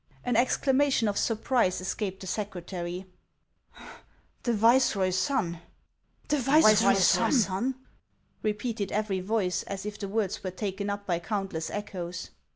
An exclamation of surprise escaped the secretary :" The viceroy's son !"" The viceroy's sou !" repeated every voice, as if the words were taken up by countless echoes.